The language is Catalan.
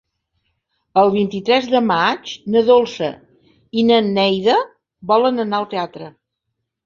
El vint-i-tres de maig na Dolça i na Neida volen anar al teatre.